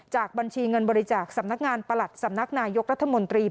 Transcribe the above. บัญชีเงินบริจาคสำนักงานประหลัดสำนักนายกรัฐมนตรี